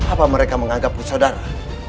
apa mereka menganggapku saudara